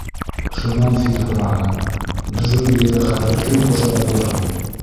Шунан Фил һораны: «Джунглиҙа хәҙер кем хужа булыр һуң?»